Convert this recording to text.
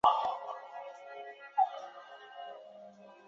交址刺史和各个太守只能自守。